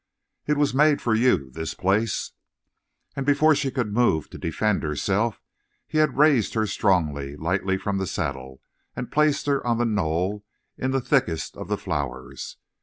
"It was made for you this place." And before she could move to defend herself he had raised her strongly, lightly from the saddle, and placed her on the knoll in the thickest of the flowers.